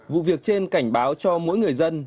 vụ việc trên cảnh báo cho mỗi người dân